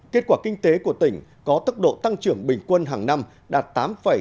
kết quả kinh tế của tỉnh có tốc độ tăng trưởng bình quân hàng năm đạt tám sáu mươi năm